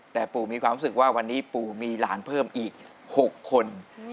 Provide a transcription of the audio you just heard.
แต่ปู่มีความรู้สึกว่าวันนี้ปู่มีหลานเพิ่มอีก๖คน